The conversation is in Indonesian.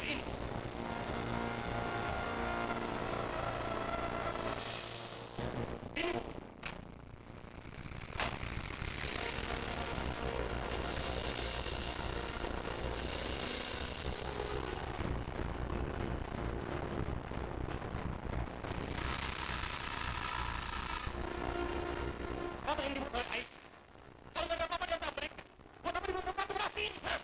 kau tahu yang dimukulkan aisyah kalau tidak ada apa apa di antarabrik mau apa dimukulkan itu rafiq